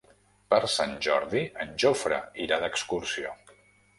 Per Sant Jordi en Jofre irà d'excursió.